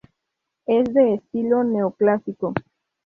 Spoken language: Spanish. Es de estilo neoclásico.